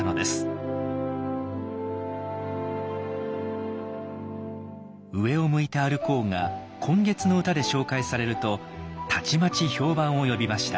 中村は「上を向いて歩こう」が「今月の歌」で紹介されるとたちまち評判を呼びました。